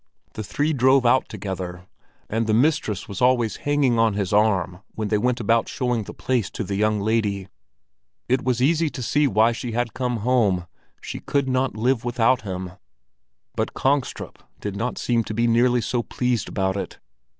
The three drove out together, and the mistress was always hanging on his arm when they went about showing the place to the young lady. It was easy to see why she had come home; she could not live without him! But Kongstrup did not seem to be nearly so pleased about it.